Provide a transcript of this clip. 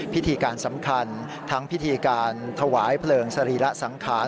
พิธีการสำคัญทั้งพิธีการถวายเพลิงสรีระสังขาร